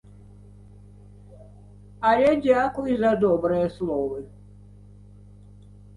Але дзякуй за добрыя словы!